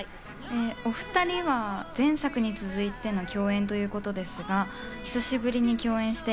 お２人は前作に続いての共演ということですが、久しぶりに共